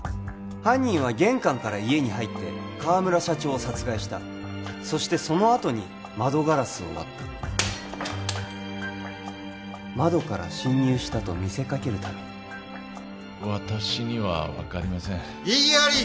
犯人は玄関から家に入って河村社長を殺害したそしてそのあとに窓ガラスを割った窓から侵入したと見せかけるために私には分かりません異議あり！